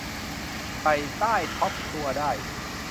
ใส่ใต้ท็อปครัวได้